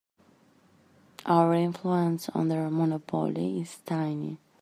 Our influence on their monopoly is tiny.